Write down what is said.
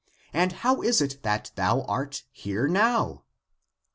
And how is it that thou art here now?